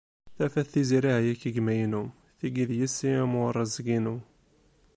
Tafat, Tiziri ahya-k a gma-inu. Tigi d yessi am warrezg-inu.